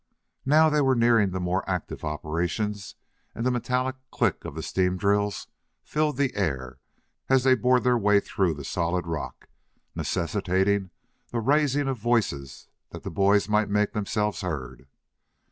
Now they were nearing the more active operations and the metallic click of the steam drills filled the air as they bored their way through the solid rock, necessitating the raising of voices that the boys might make themselves heard.